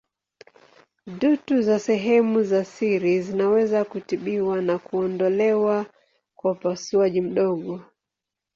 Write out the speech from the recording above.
Dutu za sehemu za siri zinaweza kutibiwa na kuondolewa kwa upasuaji mdogo.